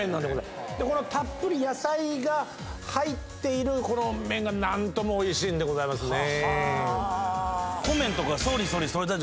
たっぷり野菜が入っているこの麺が何ともおいしいんでございますね。